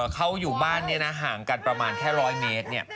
เขาอยู่บ้านห่างกันประมาณแค่๑๐๐เมตร